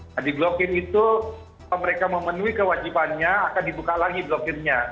nah di blokir itu mereka memenuhi kewajibannya akan dibuka lagi blokirnya